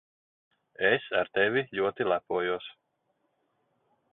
Es ar tevi ļoti lepojos.